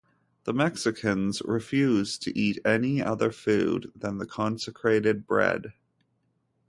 The Mexicans refused to eat any other food than the consecrated bread.